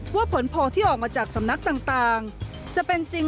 ว่าผลโพลที่ออกมาจากสำนักต่างจะเป็นจริง